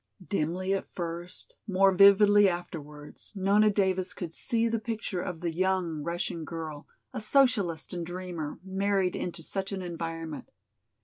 Dimly at first, more vividly afterwards, Nona Davis could see the picture of the young Russian girl, a socialist and dreamer, married into such an environment.